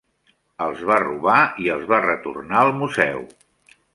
Els va robar i els va retornar al museu.